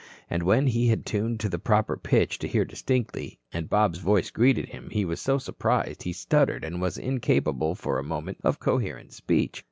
And when he had tuned to the proper pitch to hear distinctly and Bob's voice greeted him he was so surprised he stuttered and was incapable for a moment of coherent speech.